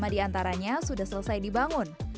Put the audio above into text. lima diantaranya sudah selesai dibangun